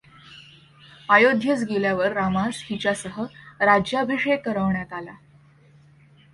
अयोध्येस गेल्यावर रामास हिच्यासह राज्याभिषेक करवण्यात आला.